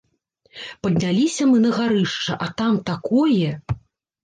Падняліся мы на гарышча, а там такое!